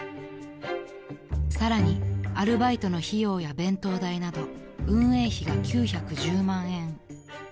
［さらにアルバイトの費用や弁当代など運営費が９１０万円］